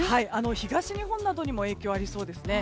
東日本などにも影響ありそうですね。